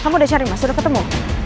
kamu udah sharing mas udah ketemu